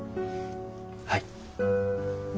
はい。